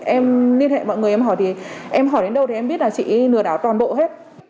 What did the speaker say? em liên hệ mọi người em hỏi thì em hỏi đến đâu thì em biết là chị lừa đảo toàn bộ hết